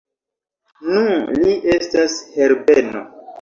Nu, li estas Herbeno!